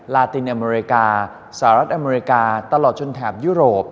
ตินอเมริกาสหรัฐอเมริกาตลอดจนแถบยุโรป